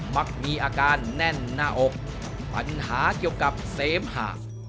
มักมีอาการแน่นหน้าอกปัญหาเกี่ยวกับเสมหะ